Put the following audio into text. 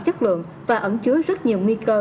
chất lượng và ẩn chứa rất nhiều nguy cơ